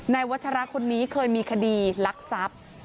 วัชระคนนี้เคยมีคดีลักทรัพย์